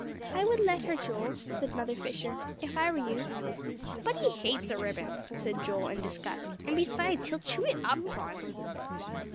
"I would let her, Joel," said Mother Fisher, "if I were you." "But he hates a ribbon," said Joel in disgust, "and besides, he'll chew it up, Phronsie."